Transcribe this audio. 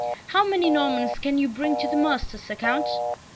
How many Normans can you bring to the muster, Sir Count?"